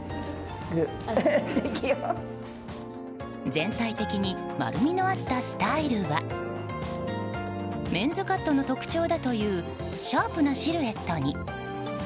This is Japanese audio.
全体的に丸みのあったスタイルはメンズカットの特徴だというシャープなシルエットに。